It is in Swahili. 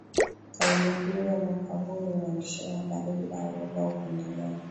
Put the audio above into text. Kauli mbiu ya mwaka huu ni Uandishi wa Habari bila ya Uoga au Upendeleo